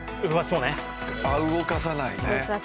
動かさない。